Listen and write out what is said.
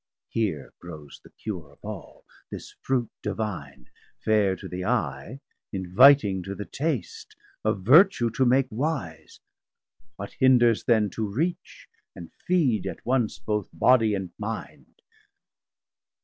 Here grows the Cure of all, this Fruit Divine, Fair to the Eye, inviting to the Taste, Of vertue to make wise: what hinders then To reach, and feed at once both Bodie and Mind?